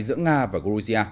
giữa nga và georgia